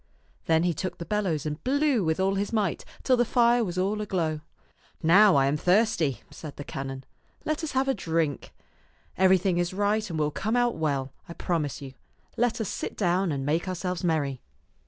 Then he took the bellows and blew with all his might till the fire was all aglow. " Now I am thirsty," said the canon. Let us have a drink. Everything is right and will come out well, I promise you. Let us sit down and make ourselves merry."